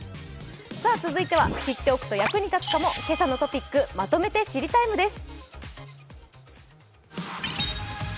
続いては知っておくと役に立つかも「けさのトピックまとめて知りＴＩＭＥ，」です。